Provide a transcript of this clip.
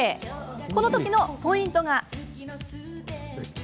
この時のポイントが。